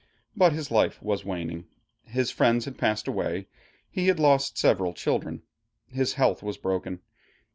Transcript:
But his life was waning. His friends had passed away, he had lost several children, his health was broken.